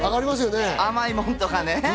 甘いものとかね。